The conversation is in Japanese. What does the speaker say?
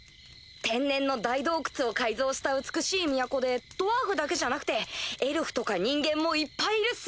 天然の大洞窟を改造した美しい都でドワーフだけじゃなくてエルフとか人間もいっぱいいるっす！